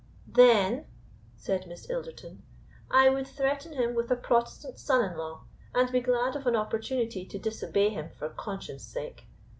"Then," said Miss Ilderton, "I would threaten him with a protestant son in law, and be glad of an opportunity to disobey him for conscience' sake.